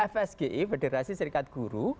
fsgi federasi serikat guru